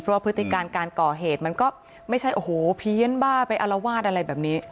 เพราะว่าพฤติการการก่อเหตุมันก็ไม่ใช่โอ้โหเพี้ยนบ้าไปอารวาสอะไรแบบนี้